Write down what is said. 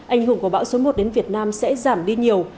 anh hùng của bão số một đến việt nam sẽ giảm đi nhiều